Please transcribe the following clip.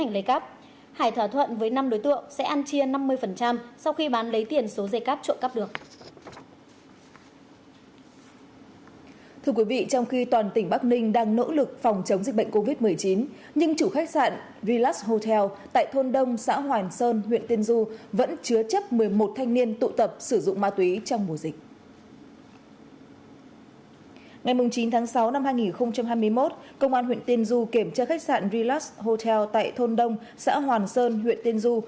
ngày chín tháng sáu năm hai nghìn hai mươi một công an huyện tiên du kiểm tra khách sạn rilas hotel tại thôn đông xã hoàn sơn huyện tiên du